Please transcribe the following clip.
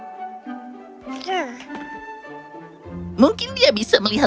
mungkin dia bisa melihat makhluk ajaib yang tidak bisa kita lihat